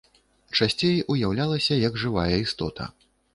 Часцей уяўлялася як жывая істота.